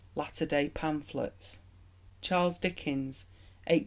Latter Day Pamphlets. CHARLES DICKENS (1812 70).